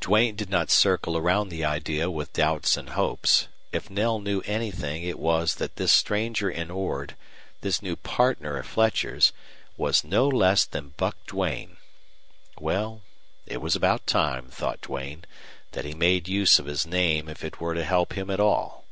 Duane did not circle around the idea with doubts and hopes; if Knell knew anything it was that this stranger in Ord, this new partner of Fletcher's, was no less than Buck Duane. Well, it was about time, thought Duane, that he made use of his name if it were to help him at all.